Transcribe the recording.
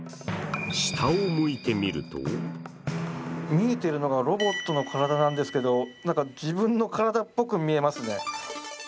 下を向いてみると見えているのがロボットの体なんですけど自分の体っぽく見えますね。